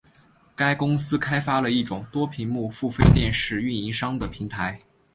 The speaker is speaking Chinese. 该公司开发了一种多屏幕付费电视运营商的平台。